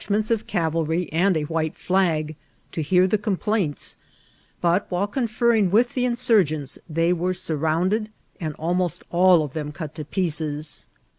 ments of ovralry and a ^ite flag, to bear thdr oom plaints ; but while coBfenring with the insurgents thej were surrounded, and almost all of them out to pieces.